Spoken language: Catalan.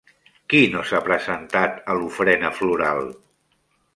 Qui no s'ha presentat a l'ofrena floral?